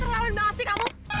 kau terlalu berbahasi kamu